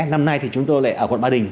năm nay thì chúng tôi lại ở quận ba đình